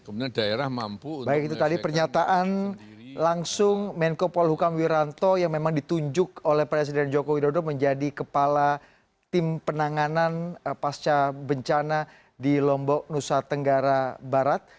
baik itu tadi pernyataan langsung menko polhukam wiranto yang memang ditunjuk oleh presiden joko widodo menjadi kepala tim penanganan pasca bencana di lombok nusa tenggara barat